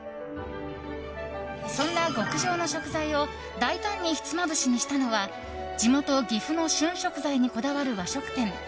そんな極上の食材を大胆にひつまぶしにしたのは地元・岐阜の旬食材にこだわる和食店